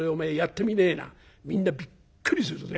みんなびっくりするぜ。